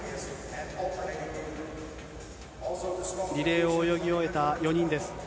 リレーを泳ぎ終えた４人です。